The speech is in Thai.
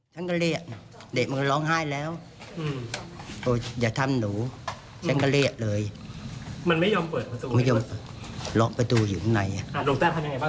ฉันก็เรียกเด็กมันก็ร้องไห้แล้วอย่าทำหนูฉันก็เรียกเลยมันไม่ยอมเปิดประตูไม่ยอมล็อกประตูอยู่ข้างในบ้าง